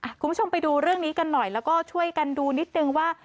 คุณผู้ชมไปดูเรื่องนี้กันหน่อยแล้วก็ช่วยกันดูนิดนึงว่า